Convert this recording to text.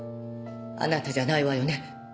あなたじゃないわよね？